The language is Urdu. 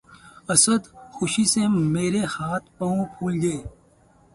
اسد! خوشی سے مرے ہاتھ پاؤں پُھول گئے